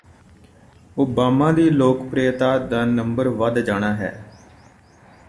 Obama ਦੀ ਲੋਕਪ੍ਰੀਯਤਾ ਦਾ ਨੰਬਰ ਵਧ ਜਾਣਾ ਹੈ